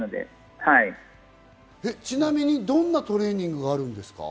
ちなみにどんなトレーニングがあるんですか？